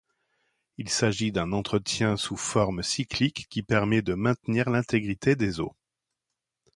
Il s’agit d’un entretien sous forme cyclique qui permet de maintenir l’intégrité des os.